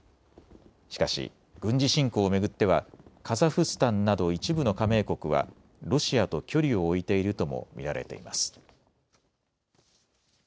しかし軍事侵攻を巡ってはカザフスタンなど一部の加盟国はロシアと距離を置いているとも見られています。